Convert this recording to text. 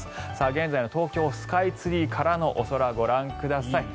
現在の東京スカイツリーからのお空、ご覧ください。